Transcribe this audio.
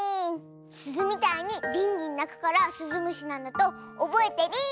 すずみたいにリンリンなくからスズムシなんだとおぼえてリン！